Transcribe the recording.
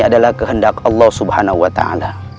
adalah kehendak allah subhanahu wa ta'ala